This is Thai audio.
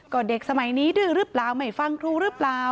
ก็เด็กสมัยนี้ด้วยหรือเปล่าไม่ฟังครูหรือเปล่า